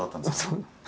そう。